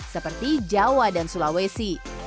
seperti jawa dan sulawesi